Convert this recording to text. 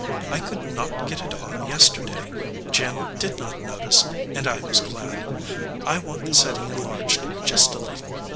I could not get it on yesterday. Jim did not notice, and I was glad. I want the setting en larged just a little.